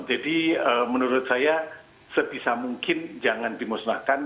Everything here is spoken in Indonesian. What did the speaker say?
jadi menurut saya sebisa mungkin jangan dimusnahkan